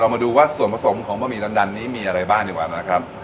มาดูว่าส่วนผสมของบะหมี่ดันนี้มีอะไรบ้างดีกว่านะครับ